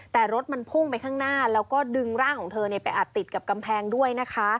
แต่รถมันพุ่งไปข้างหน้าแล้วก็ดึงร่างของเธอไปอัดติดกับกำแพงด้วยนะคะ